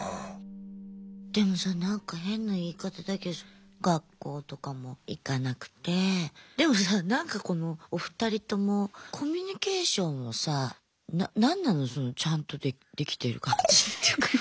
でもさなんか変な言い方だけど学校とかも行かなくてでもさなんかこのお二人ともコミュニケーションをさな何なのそのちゃんとできてる感じっていうか。